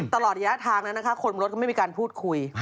ตลอดระยะทางนั้นนะคะคนรถก็ไม่มีการพูดคุย